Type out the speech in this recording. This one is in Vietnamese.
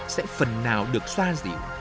sẽ phần nào được xoa dịu